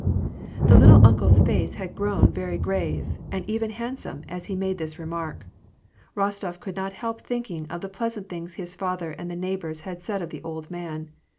The "little uncle's" face had grown very grave, and even handsome, as he made this remark. Rostof could not help thinking of the pleasant things his father and the neighbors had said of the old man.